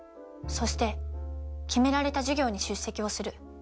そして決められた授業に出席をする。